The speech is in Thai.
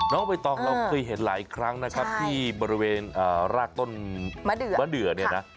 ใบตองเราเคยเห็นหลายครั้งนะครับที่บริเวณรากต้นมะเดือเนี่ยนะ